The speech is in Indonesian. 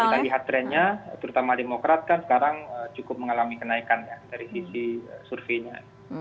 kita lihat trennya terutama demokrat kan sekarang cukup mengalami kenaikan ya dari sisi surveinya